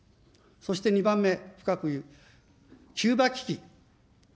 そして２番目、キューバ危機。